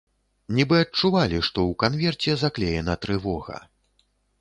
Нібы адчувалі, што ў канверце заклеена трывога.